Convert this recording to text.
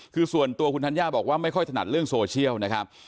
คือส่วนตัวคุณธัญญาบอกว่าไม่ค่อยถนัดเรื่องโซเชียลนะครับ